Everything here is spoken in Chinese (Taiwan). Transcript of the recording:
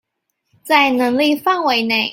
在能力範圍內